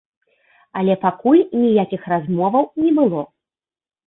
Але пакуль ніякіх размоваў не было.